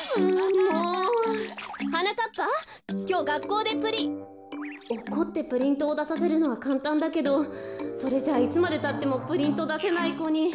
こころのこえおこってプリントをださせるのはかんたんだけどそれじゃいつまでたってもプリントだせないこに。